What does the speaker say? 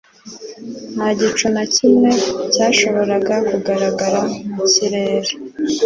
Nta gicu na kimwe cyashoboraga kugaragara mu kirere.